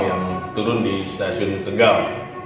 yang turun di stasiun tegal